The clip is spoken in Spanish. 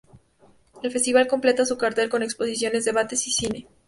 El festival completa su cartel con exposiciones, debates y cine.